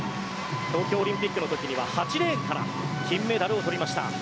東京オリンピックの時には８レーンから金メダルを取りました。